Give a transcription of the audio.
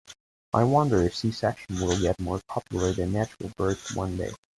I wonder if C-sections will get more popular than natural births one day.